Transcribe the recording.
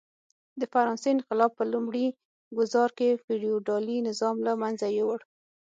د فرانسې انقلاب په لومړي ګوزار کې فیوډالي نظام له منځه یووړ.